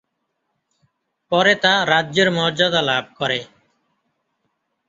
পরে তা রাজ্যের মর্যাদা লাভ করে।